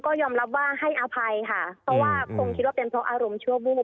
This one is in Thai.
ก็ยอมรับว่าให้อภัยค่ะเพราะว่าคงคิดว่าเป็นเพราะอารมณ์ชั่ววูบ